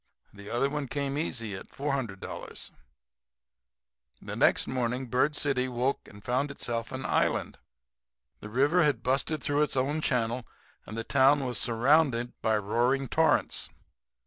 The other one came easy at $400. "The next morning Bird City woke up and found itself an island. The river had busted through its old channel, and the town was surrounded by roaring torrents.